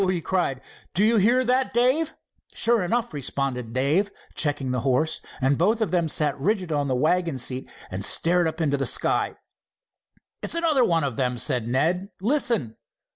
he cried. "Do you hear that, Dave?" "Sure enough," responded Dave, checking the horse, and both of them sat rigid on the wagon seat and stared up into the sky. "It's another one of them," said Ned. "Listen."